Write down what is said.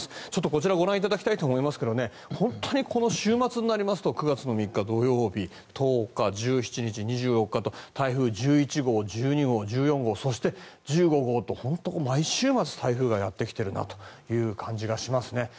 こちらをご覧いただきたいと思いますが本当にこの週末になりますと９月の３日土曜日１０日土曜日、１７日と台風１１号、１２号、１４号そして１５号と本当に毎週末台風がやってきているなという感じがしますね。